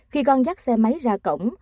khi con dắt xe máy ra cổng